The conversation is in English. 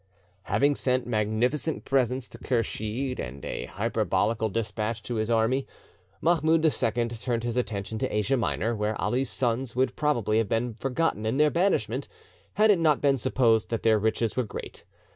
Having sent magnificent presents to Kursheed, and a hyperbolical despatch to his army, Mahmoud II turned his attention to Asia Minor; where Ali's sons would probably have been forgotten in their banishment, had it not been supposed that their riches were great.